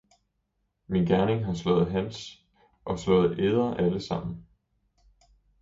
min gerning har slået hans og slået eder alle sammen.